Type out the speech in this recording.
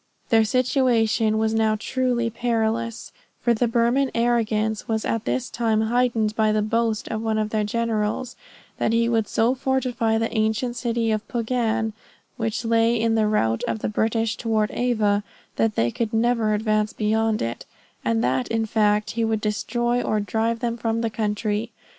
Their situation was now truly perilous, for the Burman arrogance was at this time heightened by the boast of one of their generals, that he would so fortify the ancient city of Pugan, which lay in the route of the British toward Ava, that they could never advance beyond it; and that in fact he would destroy or drive them from the country.